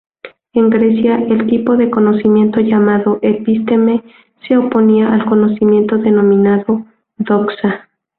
En Grecia, el tipo de conocimiento llamado "episteme" se oponía al conocimiento denominado "doxa".